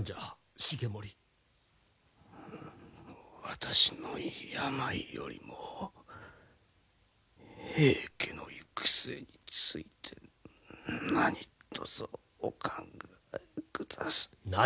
私の病よりも平家の行く末について何とぞお考えください。